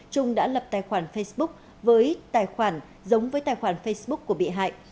trung đã lập tài khoản facebook với tài khoản giống với tài khoản facebook của bị hại